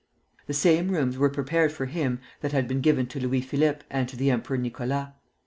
The same rooms were prepared for him that had been given to Louis Philippe and to the Emperor Nicholas.